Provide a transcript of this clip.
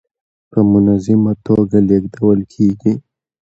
په منظمه ټوګه لېږدول کيږي.